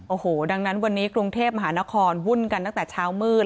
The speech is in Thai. โอ้โหดังนั้นวันนี้กรุงเทพมหานครวุ่นกันตั้งแต่เช้ามืด